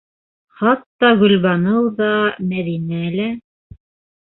Хатта Гөлбаныу ҙа, Мәҙинә лә...